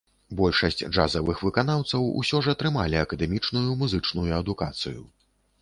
Большасць джазавых выканаўцаў усё ж атрымалі акадэмічную музычную адукацыю.